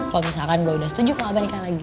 kalo misalkan gue udah setuju kalo abah nikah lagi